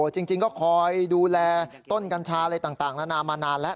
จริงก็คอยดูแลต้นกัญชาอะไรต่างนานามานานแล้ว